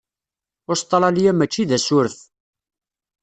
Ustṛalya mačči d asuref.